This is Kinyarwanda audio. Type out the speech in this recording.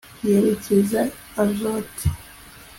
yerekeza azoti